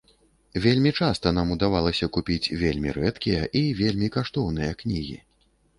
Вельмі часта нам удавалася купіць вельмі рэдкія і вельмі каштоўныя кнігі.